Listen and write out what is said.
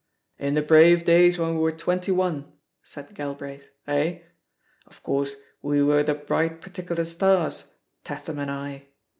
"In the brave days when we were twenty one," said Galbraith, "eh? Of course, we were the bright particular stars, Tatham and I!